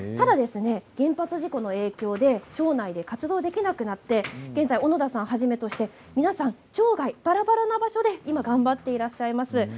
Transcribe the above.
第一原発事故の影響で町内で活動できなくなって現在小野田さんはじめばらばらな場所で頑張っていらっしゃいます。